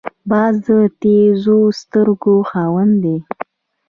باز د تېزو سترګو خاوند دی